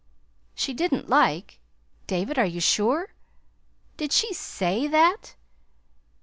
"She didn't like David, are you sure? Did she SAY that?"